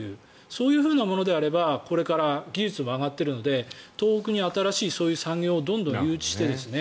そういうふうなものであればこれから技術は上がっているので東北に新しい、そういう産業をどんどん誘致して。